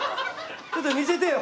ちょっと見せてよ。